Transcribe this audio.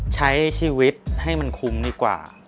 ใช้ชีวิตให้มันคุ้มดีกว่า